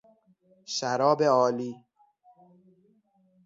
شراب عالی